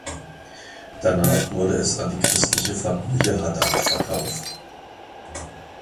Danach wurde es an die christliche Familie Haddad verkauft.